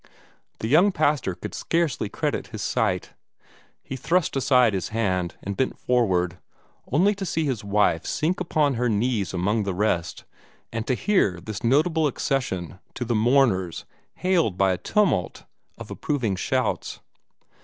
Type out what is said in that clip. The young pastor could scarcely credit his sight. He thrust aside his hand, and bent forward, only to see his wife sink upon her knees among the rest, and to hear this notable accession to the "mourners" hailed by a tumult of approving shouts.